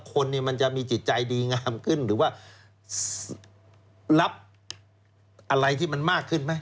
คนเนี่ยมันจะมีจิตใจดีงามขึ้นหรือว่ารับอะไรที่มันมากขึ้นไหม